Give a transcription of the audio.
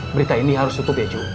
berita ini harus tutup ya